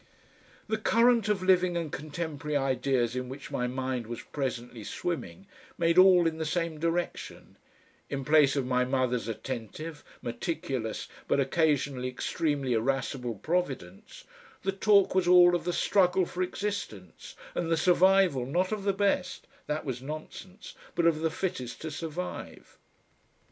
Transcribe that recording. The current of living and contemporary ideas in which my mind was presently swimming made all in the same direction; in place of my mother's attentive, meticulous but occasionally extremely irascible Providence, the talk was all of the Struggle for Existence and the survival not of the Best that was nonsense, but of the fittest to survive.